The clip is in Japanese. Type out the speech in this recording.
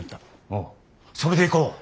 おおそれでいこう。